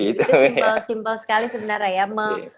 itu simple sekali sebenarnya ya